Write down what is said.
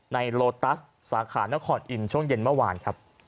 โลตัสสาขานครอินทร์ช่วงเย็นเมื่อวานครับ